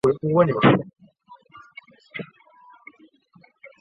母亲是侧室阿波局。